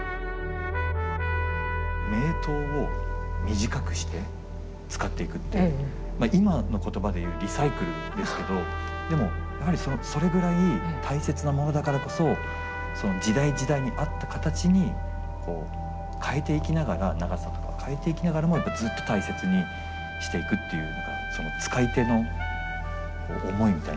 名刀を短くして使っていくっていう今の言葉でいうリサイクルですけどでもやはりそれぐらい大切なものだからこそその時代時代に合った形にこう変えていきながら長さとか変えていきながらもずっと大切にしていくというのがその使い手の思いみたいなものをしっかり感じますよね。